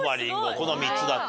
この３つだったと。